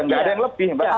nggak ada yang lebih mbak